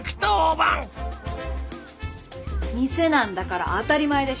店なんだから当たり前でしょ。